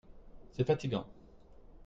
C'est fatigant.